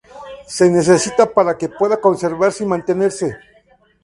Se necesita para que pueda conservarse y mantenerse.